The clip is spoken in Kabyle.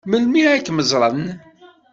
Melmi ad kem-ẓṛen?